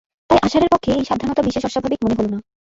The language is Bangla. তাই আশারের পক্ষে এই সাবধানতা বিশেষ অস্বাভাবিক মনে হল না।